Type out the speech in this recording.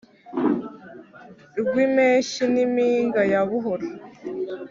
rwimpembyi ni mpinga ya buhoro